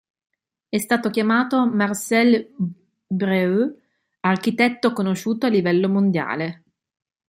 È stato chiamato Marcel Breuer, architetto conosciuto a livello mondiale.